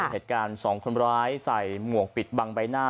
เหตุการณ์สองคนร้ายใส่หมวกปิดบังใบหน้า